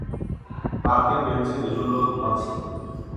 পার্কের বেঞ্চে দুজন লোক ঘুমাচ্ছে